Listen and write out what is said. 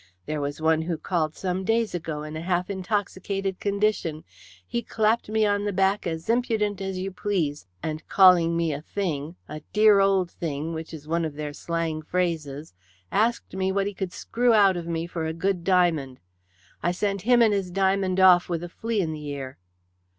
There was one who called some days ago in a half intoxicated condition. He clapped me on the back as impudent as you please, and calling me a thing a dear old thing, which is one of their slang phrases asked me what he could screw out of me for a good diamond. I sent him and his diamond off with a flea in the ear."